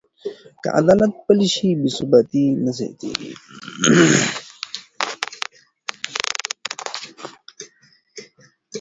که عدالت پلی شي، بې ثباتي نه پاتې کېږي.